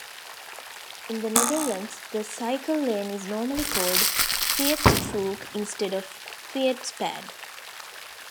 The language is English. In the Netherlands the cycle lane is normally called "fietsstrook" instead of "fietspad".